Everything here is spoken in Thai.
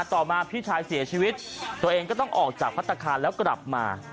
ต่อมาพี่ชายเสียชีวิตตัวเองก็ต้องออกจากพัฒนาคารแล้วกลับมา